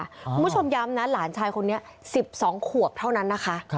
ย้ำนะหลานชายคนนี้๑๒ขวบเท่านั้นนะคะ